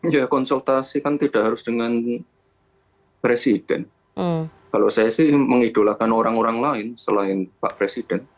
ya konsultasi kan tidak harus dengan presiden kalau saya sih mengidolakan orang orang lain selain pak presiden